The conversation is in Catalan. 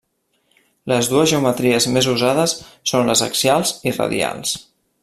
Les dues geometries més usades són les axials i radials.